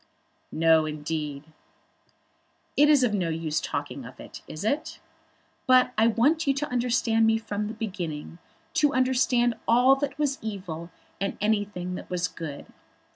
"No, indeed." "It is of no use now talking of it; is it? But I want you to understand me from the beginning; to understand all that was evil, and anything that was good.